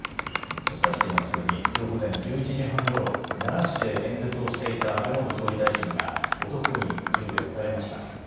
お伝えしていますようにきょう午前１１時半ごろ奈良市で演説をしていた安倍元総理大臣が男に銃で撃たれました。